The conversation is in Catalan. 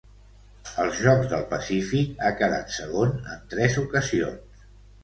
Als Jocs del Pacífic ha quedat segon en tres ocasions.